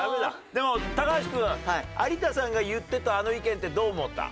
でも橋君有田さんが言ってたあの意見ってどう思った？